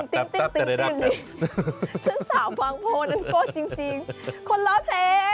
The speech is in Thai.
คนเล่าเพลง